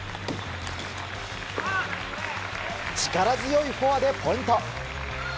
力強いフォアでポイント。